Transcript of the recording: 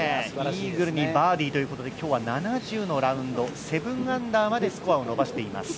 イーグルにバーディーということで今日は７０のラウンド７アンダーまでスコアを伸ばしています。